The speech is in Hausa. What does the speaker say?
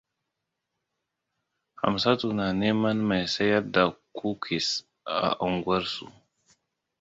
Hamsatu na neman mai sayar da kukis a unguwar su.